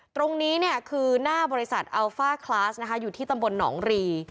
ตรงนี้เนี่ยคือหน้าบริษัทอัลฟ่าคลาสนะคะอยู่ที่ตำบลหนองรี